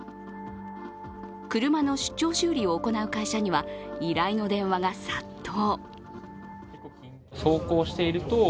車の出張修理を行う会社には、依頼の電話が殺到。